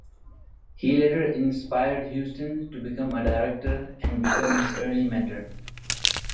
He later inspired Huston to become a director and became his early mentor.